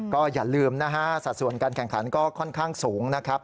ก็อย่าลืมนะฮะสัดส่วนการแข่งขันก็ค่อนข้างสูงนะครับ